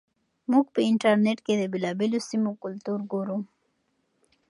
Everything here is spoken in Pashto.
موږ په انټرنیټ کې د بېلابېلو سیمو کلتور ګورو.